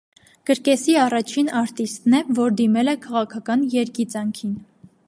Կրկեսի առաջին արտիստն է, որ դիմել է քաղաքական երգիծանքին։